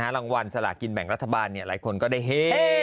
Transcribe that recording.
รางวัลสลากินแบ่งรัฐบาลหลายคนก็ได้เฮ